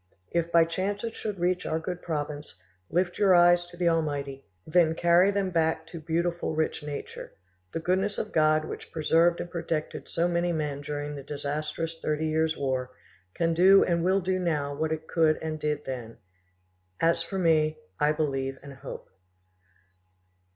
If by chance it should reach our good province, lift your eyes to the Almighty, then carry them back to beautiful rich nature. The goodness of God which preserved and protected so many men during the disastrous Thirty Years' War can do and will do now what it could and did then. As for me, I believe and hope."